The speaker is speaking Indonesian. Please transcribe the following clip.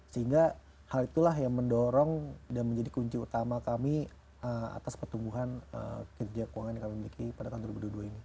sehingga hal itulah yang mendorong dan menjadi kunci utama kami atas pertumbuhan kerja keuangan yang kami miliki pada tahun dua ribu dua puluh dua ini